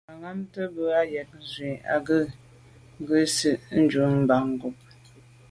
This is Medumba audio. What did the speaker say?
Mangambe bə́ ɑ̂ yə̀k nzwe' ɑ́ gə́ yí gi shúnɔ̀m Batngub.